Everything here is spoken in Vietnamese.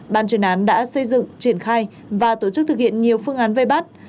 ban chuyên án đã xây dựng triển khai và tổ chức thực hiện nhiều phương án vây bắt